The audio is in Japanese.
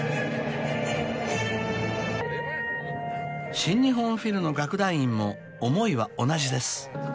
［新日本フィルの楽団員も思いは同じです］